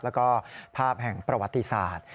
แล้วก็ภาพแห่งประวัติศาสตร์